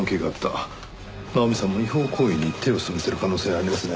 奈穂美さんも違法行為に手を染めている可能性ありますね。